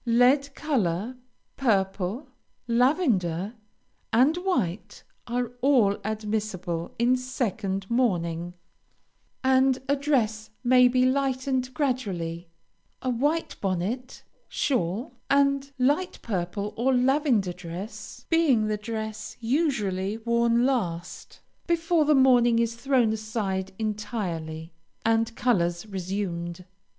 Lead color, purple, lavender, and white, are all admissible in second mourning, and the dress may be lightened gradually, a white bonnet, shawl, and light purple or lavender dress, being the dress usually worn last, before the mourning is thrown aside entirely, and colors resumed.